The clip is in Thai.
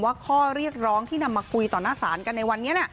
ข้อเรียกร้องที่นำมาคุยต่อหน้าศาลกันในวันนี้